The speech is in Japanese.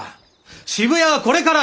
渋谷はこれから！